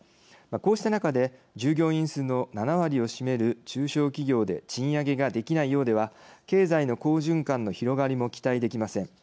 こうした中で、従業員数の７割を占める中小企業で賃上げができないようでは経済の好循環の広がりも期待できません。